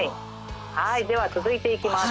はいでは続いていきます。